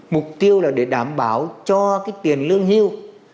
mục tiêu là để đảm bảo cho cái tiền lương hưu